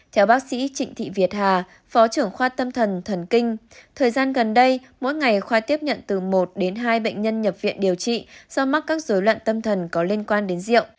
theo bác sĩ trịnh thị việt hà phó trưởng khoa tâm thần kinh thời gian gần đây mỗi ngày khoa tiếp nhận từ một đến hai bệnh nhân nhập viện điều trị do mắc các dối loạn tâm thần có liên quan đến rượu